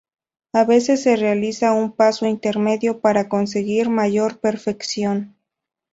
A veces se realiza un paso intermedio para conseguir mayor perfección.